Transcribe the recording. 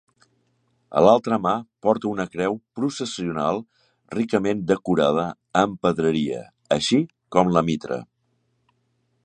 A l'altra mà porta una creu processional ricament decorada amb pedreria, així com la mitra.